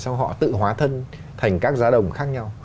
xong họ tự hóa thân thành các giá đồng khác nhau